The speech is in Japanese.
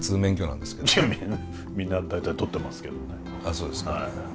そうですか。